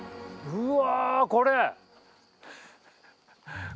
うわ。